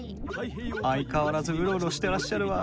相変わらずウロウロしてらっしゃるわ。